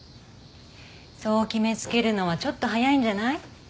そう決め付けるのはちょっと早いんじゃない？